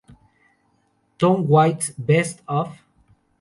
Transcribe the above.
Tom Waits Best of